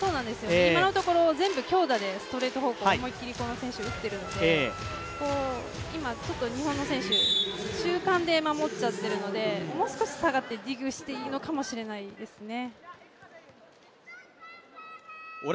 今のところ全部強打でストレート方向、思いっきりこの選手、打っているので今、日本の選手、中間で守っちゃっているのでもう少し下がってディグしてもいいのかもしれないですね。